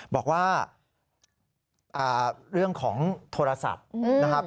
บอกว่าเรื่องของโทรศัพท์นะครับ